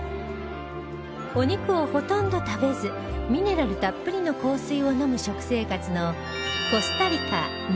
お肉をほとんど食べずミネラルたっぷりの硬水を飲む食生活の